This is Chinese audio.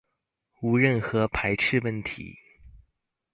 无任何排斥问题